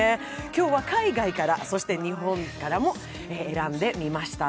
今日は海外から、そして日本からも選んでみました。